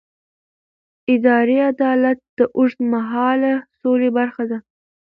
اداري عدالت د اوږدمهاله سولې برخه ده